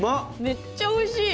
めっちゃおいしい！